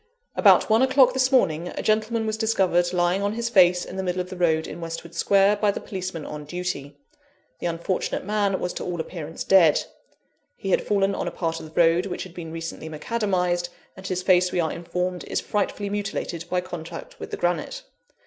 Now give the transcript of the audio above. "About one o'clock this morning, a gentleman was discovered lying on his face in the middle of the road, in Westwood Square, by the policeman on duty. The unfortunate man was to all appearance dead. He had fallen on a part of the road which had been recently macadamised; and his face, we are informed, is frightfully mutilated by contact with the granite.